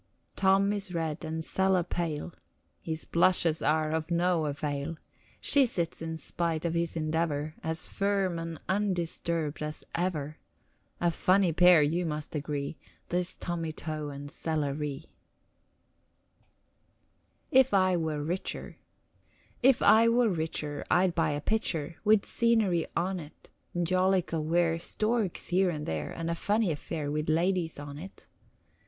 Tom is red and Cella pale, His blushes are of no avail; She sits, in spite of his endeavor, As firm and undisturbed as ever, A funny pair, you must agree, This Tommy To and Cella Ree. IF I WERE RICHER If I were richer I'd buy a pitcher With scenery on it. 'Jolica ware Storks here and there, And a funny affair With ladies on it.